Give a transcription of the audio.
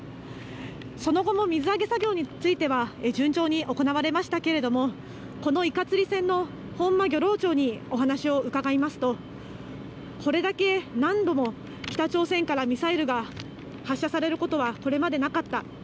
その後も水揚げ作業については順調に行われましたけれどもこのいか釣り船のほんま漁労長にお話を伺いますとこれだけ何度も北朝鮮からミサイルが発射されることはこれまでなかった。